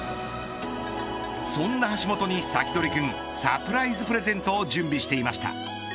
そんな橋本にサキドリくんサプライズプレゼントを準備していました。